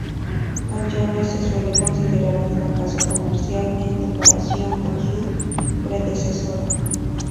Anyone se suele considerar un fracaso comercial en comparación con su predecesora.